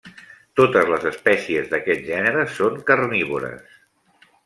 Totes les espècies d'aquest gènere són carnívores.